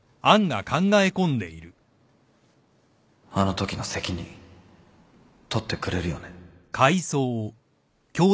あのときの責任取ってくれるよね？